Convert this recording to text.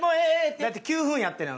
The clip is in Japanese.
だって９分やってるやん